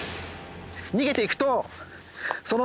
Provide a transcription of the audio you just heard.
逃げていくとそのまま。